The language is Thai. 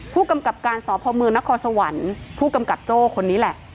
ผู้กำกับการสพมนครสวรรค์ผู้กำกับโจ้คนนี้แหละ